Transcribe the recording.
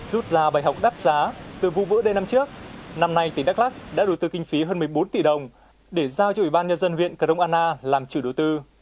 rút ra bài học đắt giá từ vụ vỡ đê năm trước năm nay tỉnh đắk lắc đã đầu tư kinh phí hơn một mươi bốn tỷ đồng để giao cho ủy ban nhân dân huyện cờ rông anna làm chủ đối tư